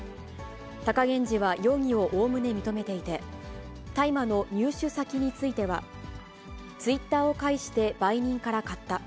貴源治は容疑をおおむね認めていて、大麻の入手先については、ツイッターを介して売人から買った。